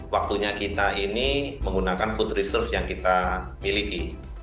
waktunya kita ini menggunakan food reserve yang kita miliki